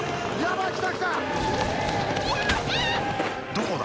・どこだ？